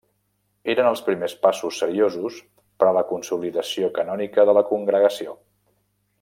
Eren els primers passos seriosos per a la consolidació canònica de la Congregació.